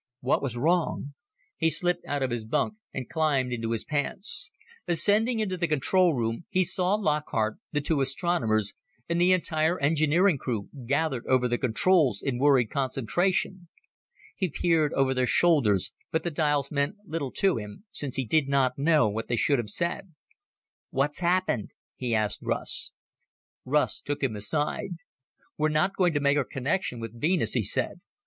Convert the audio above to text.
What was wrong? He slipped out of his bunk and climbed into his pants. Ascending into the control room, he saw Lockhart, the two astronomers, and the entire engineering crew gathered over the controls in worried concentration. He peered over their shoulders, but the dials meant little to him, since he did not know what they should have said. "What's happened?" he asked Russ. Russ took him aside. "We're not going to make our connection with Venus," he said.